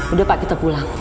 udah pak kita pulang